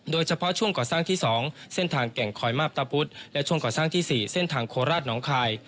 โดยเฉพาะช่วงก่อสร้างที่๒เส้นทางแก่งคอยมาพตะพุธและช่วงก่อสร้างที่๔เส้นทางโคราชน้องคาย